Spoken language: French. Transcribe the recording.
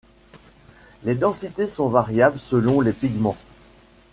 Les densités sont variables selon les pigments.